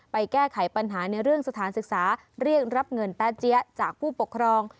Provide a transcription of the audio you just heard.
แก้ไขปัญหาในเรื่องสถานศึกษาเรียกรับเงินแป๊เจี๊ยจากผู้ปกครอง